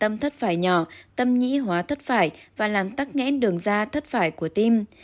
tâm thất phải nhỏ tâm nghĩ hóa thất phải và làm tắc nghẽn đường da thất phải của tim